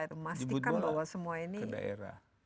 jemput bola ke daerah